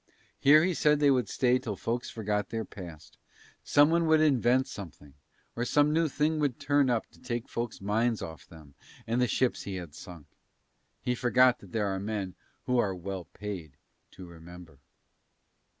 Here he said they would stay till folks forgot their past, someone would invent something or some new thing would turn up to take folks' minds off them and the ships he had sunk: he forgot that there are men who are well paid to remember.